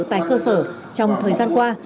tại cơ sở trong thời gian qua